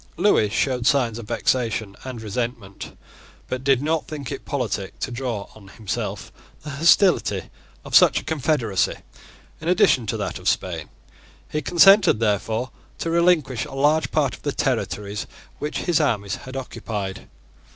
Lewis showed signs of vexation and resentment, but did not think it politic to draw on himself the hostility of such a confederacy in addition to that of Spain. He consented, therefore, to relinquish a large part of the territory which his armies had occupied.